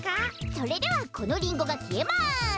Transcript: それではこのリンゴがきえます。